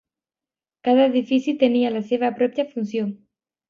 Cada edifici tenia la seva pròpia funció.